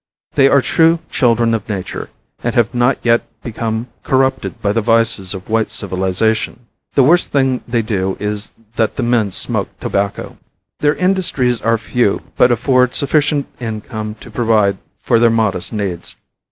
They are true children of nature, and have not yet become corrupted by the vices of white civilization. The worst thing they do is that the men smoke tobacco. Their industries are few, but afford sufficient income to provide for their modest needs.